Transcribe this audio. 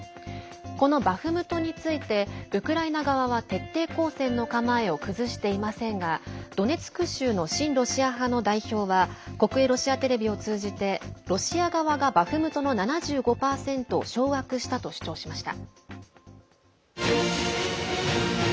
このバフムトについてウクライナ側は徹底抗戦の構えを崩していませんがドネツク州の親ロシア派の代表は国営ロシアテレビを通じてロシア側がバフムトの７５％を掌握したと主張しました。